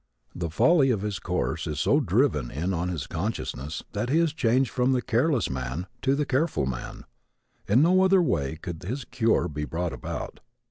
The folly of his course is so driven in on his consciousness that he is changed from the careless man to the careful man. In no other way could his cure be brought about.